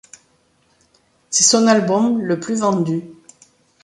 C'est son album le plus vendu.